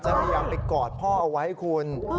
พยายามไปกอดพ่อเอาไว้คุณ